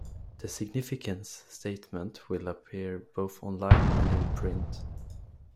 The significance statement will appear both online and in print.